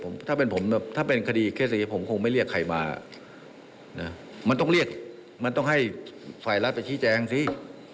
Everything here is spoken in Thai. มันต้องเรียกมันต้องให้ฝ่ายรัฐไปชี้แจงสิ